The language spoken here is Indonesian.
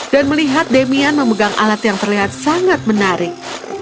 dan melihat demian memegang alat yang terlihat sangat menarik